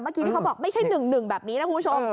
ที่เขาบอกไม่ใช่๑๑แบบนี้นะคุณผู้ชม